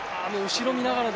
後ろを見ながら。